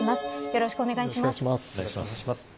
よろしくお願いします。